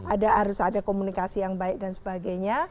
ada harus ada komunikasi yang baik dan sebagainya